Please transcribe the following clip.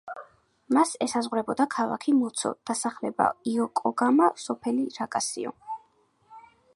მას ესაზღვრება ქალაქი მუცუ, დასახლება იოკოგამა, სოფელი როკასიო.